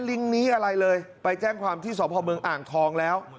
ลิงนี้อะไรเลยไปแจ้งความที่สพเมืองอ่างทองแล้ว